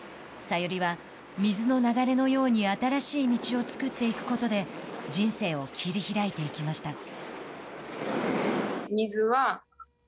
ＳＡＹＵＲＩは水の流れのように新しい道を作っていくことで人生を切り開いていきました。